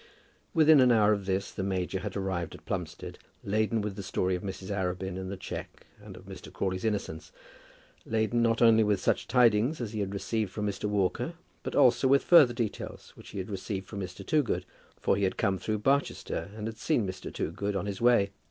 Within an hour of this the major had arrived at Plumstead, laden with the story of Mrs. Arabin and the cheque, and of Mr. Crawley's innocence, laden not only with such tidings as he had received from Mr. Walker, but also with further details, which he had received from Mr. Toogood. For he had come through Barchester, and had seen Mr. Toogood on his way.